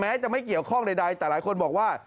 จะไม่เกี่ยวข้องใดแต่หลายคนบอกว่า